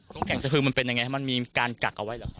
ตรงแก่งสะพื้นมันเป็นยังไงมันมีการกักเอาไว้หรือ